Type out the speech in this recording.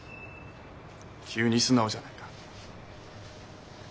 急に素直じゃないか。